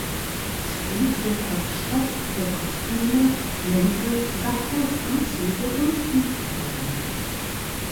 Tweed wird als Stoff für Kostüme, Mäntel, Sakkos, Anzüge und Hüte verwendet.